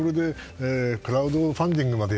クラウドファンディングまで